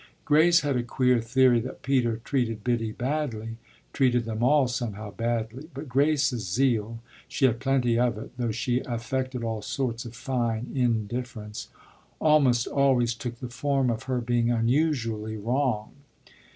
Grace had a queer theory that Peter treated Biddy badly treated them all somehow badly; but Grace's zeal (she had plenty of it, though she affected all sorts of fine indifference) almost always took the form of her being unusually wrong.